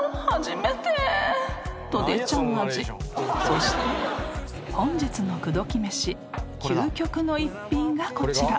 ［そして本日の口説き飯究極の一品がこちら］